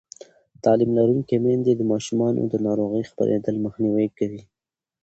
تعلیم لرونکې میندې د ماشومانو د ناروغۍ خپرېدل مخنیوی کوي.